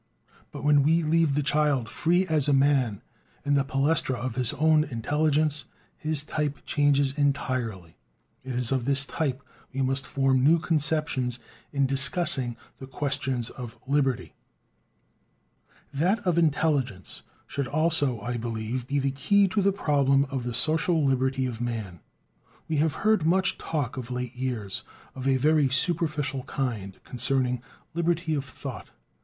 But when we leave the child "free as a man" in the palestra of his own intelligence, his type changes entirely. It is of this type we must form new conceptions in discussing the question of "liberty." That of intelligence should also, I believe, be the key to the problem of the social liberty of man. We have heard much talk of late years, of a very superficial kind, concerning "liberty of thought."